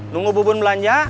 nunggu bubun belanja